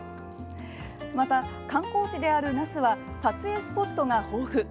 また、観光地である那須は撮影スポットが豊富。